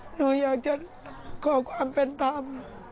หนูอยากจะขอความเป็นธรรม